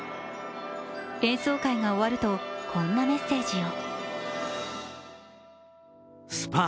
演奏会が終わるとこんなメッセージを。